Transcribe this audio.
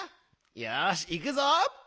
よしいくぞ。